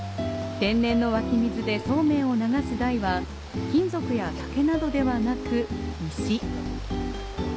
天然の湧水でそうめんを流す台は金属や竹などではなく、石。